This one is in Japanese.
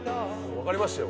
分かりましたよ。